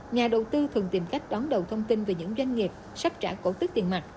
nhà đầu tư thường tìm cách đón đầu thông tin về những doanh nghiệp sắp trả cổ tức tiền mặt